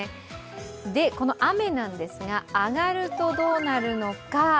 この雨なんですが、上がるとどうなるのか。